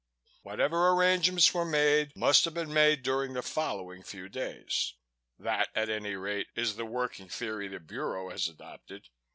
Whatever arrangements were made must have been made during the following few days. That, at any rate, is the working theory the Bureau has adopted.